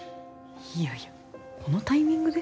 いやいやこのタイミングで？